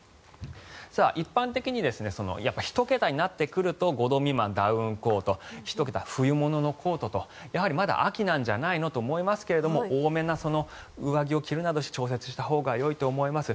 一般的に１桁になってくると５度未満、ダウンコート１桁、冬物のコートとやはりまだ秋なんじゃないのと思うんですが多めに上着を着るなどして調節したほうがいいと思います。